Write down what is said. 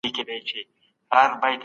کمپيوټر دوا و مريض ته ور په يادوي.